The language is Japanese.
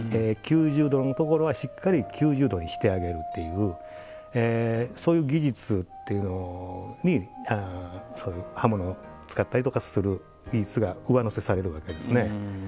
９０度のところはしっかり９０度にしてあげるっていうそういう技術っていうのに刃物を使ったりとかすることが上乗せされるわけですね。